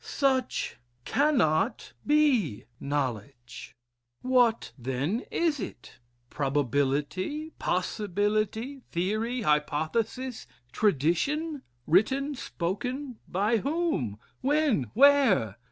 Such cannot be knowledge. What, then, is it? Probability? possibility? theory? hypothesis? tradition? written? spoken? by whom? when? where?